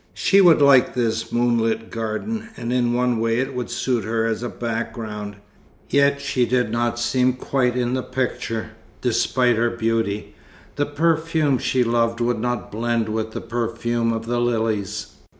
She would like this moonlit garden, and in one way it would suit her as a background. Yet she did not seem quite in the picture, despite her beauty. The perfume she loved would not blend with the perfume of the lilies.